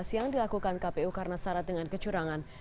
yang dilakukan kpu karena syarat dengan kecurangan